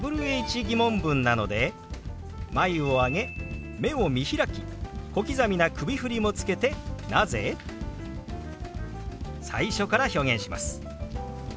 ー疑問文なので眉を上げ目を見開き小刻みな首振りもつけて「なぜ？」。最初から表現します。